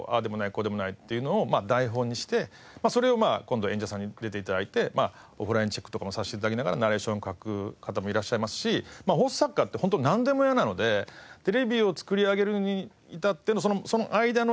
こうでもないっていうのを台本にしてそれを今度演者さんに出て頂いてオフラインチェックとかもさせて頂きながらナレーションを書く方もいらっしゃいますし放送作家って本当なんでも屋なのでテレビを作り上げるに至ってのその間の色んな事様々な事を。